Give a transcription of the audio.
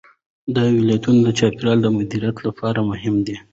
دا ولایتونه د چاپیریال د مدیریت لپاره مهم دي.